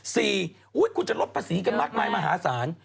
คุณจะลดภาษีกันมากมายมหาศาล